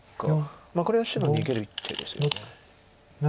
これは白逃げる一手ですよね。